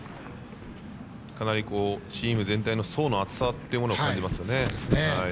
かなりチーム全体の層の厚さというのを感じますね。